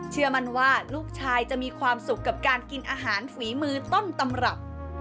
เชื่อมั่นว่าลูกชายจะมีความสุขกับการกินอาหารฝีมือต้นตำรับ